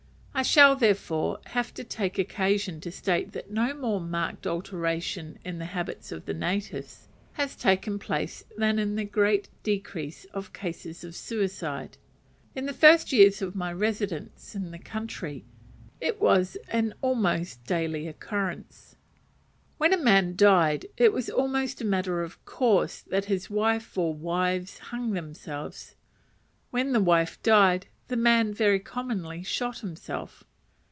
I shall, therefore, now take occasion to state that no more marked alteration in the habits of the natives has taken place than in the great decrease of cases of suicide. In the first years of my residence in the country, it was of almost daily occurrence. When a man died, it was almost a matter of course that his wife, or wives, hung themselves. When the wife died, the man very commonly shot himself.